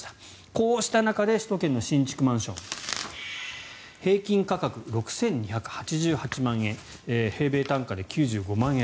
こうした中で首都圏の新築マンション平均価格６２８８万円平米単価で９５万円。